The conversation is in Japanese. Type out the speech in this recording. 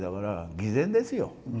偽善ですよ。